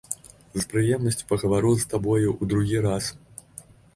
З прыемнасцю пагавару з табою ў другі раз.